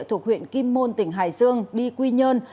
thuộc huyện kim môn tỉnh hải dương đi quy nhơn